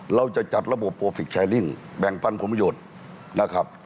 เราจะจัดระบบโปรฟิกแชร์ลิ่งแบ่งปันผลประโยชน์นะครับ